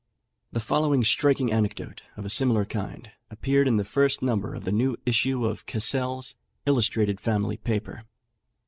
The following striking anecdote, of a similar kind, appeared in the first number of the new issue of Cassell's "Illustrated Family Paper."